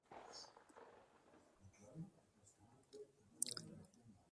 Tamaina zein ezaugarriengatik zaldi arraza hau ponien sailkapenean dago.